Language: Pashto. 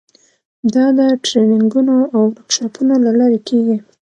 دا د ټریننګونو او ورکشاپونو له لارې کیږي.